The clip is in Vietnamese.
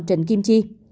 trịnh kim chi